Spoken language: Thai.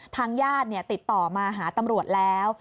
ทางญาติติดต่อมาหาตำรวจแล้ว